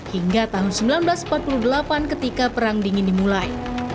hingga tahun seribu sembilan ratus empat puluh delapan ketika perang dingin dimulai